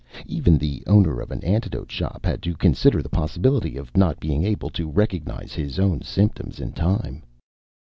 Even the owner of an antidote shop had to consider the possibility of not being able to recognize his own symptoms in time.